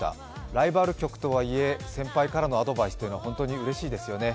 ライバル局とはいえ先輩からのアドバイスというのは本当にうれしいですよね。